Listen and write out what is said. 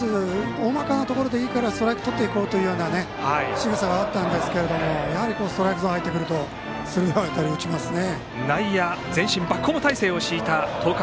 大まかなところでいいからストライクとっていこうというようなしぐさがあったんですがやはり、ストライクゾーン入ってくると鋭い当たりを打ちますね。